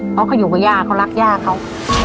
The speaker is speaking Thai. เพราะเขาอยู่กับย่าเขารักย่าเขา